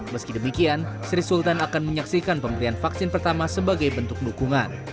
meski demikian sri sultan akan menyaksikan pemberian vaksin pertama sebagai bentuk dukungan